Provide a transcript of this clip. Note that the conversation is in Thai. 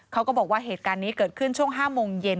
เขาก็บอกว่าเหตุการณ์นี้เกิดขึ้นช่วง๕โมงเย็น